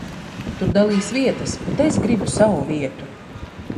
Tur dalīs vietas, bet es gribu savu vietu.